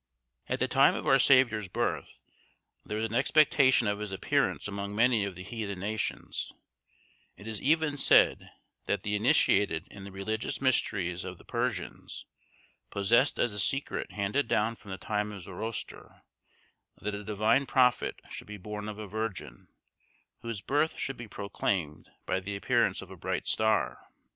At the time of our Saviour's birth, there was an expectation of his appearance among many of the heathen nations; it is said even that the initiated in the religious mysteries of the Persians, possessed as a secret handed down from the time of Zoroaster, that a divine prophet should be born of a virgin, whose birth should be proclaimed by the appearance of a bright star.